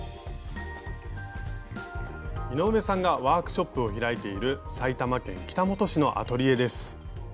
井上さんがワークショップを開いている埼玉県北本市のアトリエです。